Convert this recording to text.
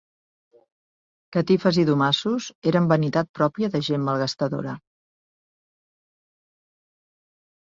Catifes i domassos, eren vanitat propia de gent malgastadora.